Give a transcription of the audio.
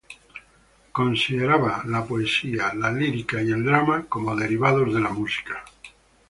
Consideraba la poesía, la lírica y el drama como derivados de la música.